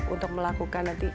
untuk melakukan nanti